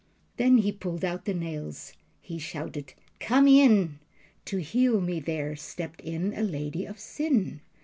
Then he pulled out the nails. He shouted "Come in." To heal me there stepped in a lady of sin.